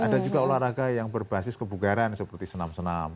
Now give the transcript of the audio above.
ada juga olahraga yang berbasis kebugaran seperti senam senam